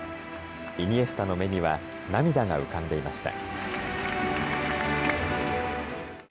イニエスタの目には涙が浮かんでいました。